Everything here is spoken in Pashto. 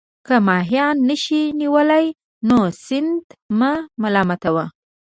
که ماهیان نه شئ نیولای نو سیند مه ملامتوه.